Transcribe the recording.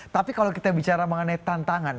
tapi kalau kita bicara mengenai tantangan